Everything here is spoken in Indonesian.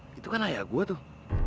eh itu kan ayah gue tuh